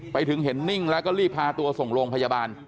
ไปถึงเห็นนิ่งแล้วก็รีบพาตัวส่งโรงพยาบาล